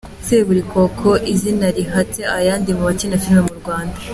Seburikoko, izina rihatse ayandi mu bakina filime mu Rwanda.